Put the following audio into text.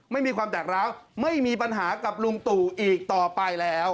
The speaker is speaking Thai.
ไม่มีความแตกร้าวไม่มีปัญหากับลุงตู่อีกต่อไปแล้ว